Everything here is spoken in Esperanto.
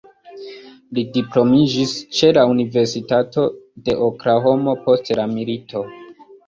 Li diplomiĝis ĉe la Universitato de Oklahomo post la milito.